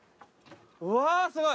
うわすごい。